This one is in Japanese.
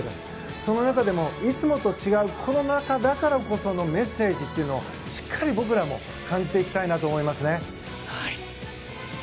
その中でもいつもと違うコロナ禍だからこそのメッセージというのをしっかり僕らも感じていきたいと思いますね。